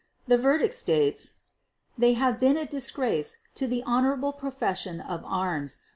The verdict states: "They have been a disgrace to the honorable profession of arms.